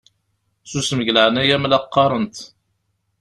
Susem deg leɛnaya-m la qqaṛent!